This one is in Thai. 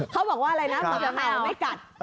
เขาบอกว่าอะไรนะมันจะเห่าไม่กัด